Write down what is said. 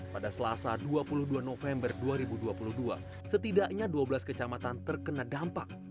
pada selasa dua puluh dua november dua ribu dua puluh dua setidaknya dua belas kecamatan terkena dampak